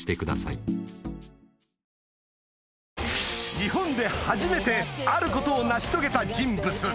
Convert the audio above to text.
日本で初めてあることを成し遂げた人物